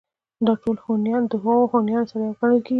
دا ټول هونيان د هغو هونيانو سره يو گڼل کېږي